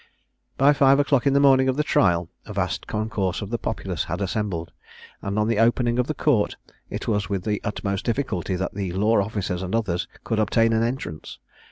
By five o'clock in the morning of the trial, a vast concourse of the populace had assembled, and on the opening of the Court it was with the utmost difficulty that the law officers and others could obtain an entrance.